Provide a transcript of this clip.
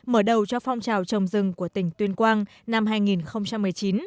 mở đầu cho phong trào trồng rừng của tỉnh tuyên quang năm hai nghìn một mươi chín